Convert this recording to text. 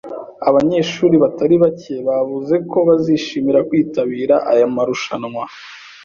Abanyeshuri batari bake bavuze ko bazishimira kwitabira aya marushanwa.